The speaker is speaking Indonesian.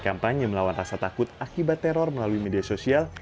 kampanye melawan rasa takut akibat teror melalui media sosial